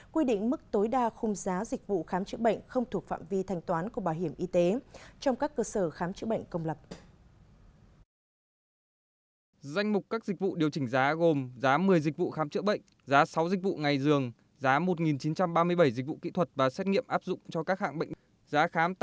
quy định mức tối đa khung giá dịch vụ khám chữa bệnh không thuộc phạm vi thành toán của bảo hiểm y tế trong các cơ sở khám chữa bệnh công lập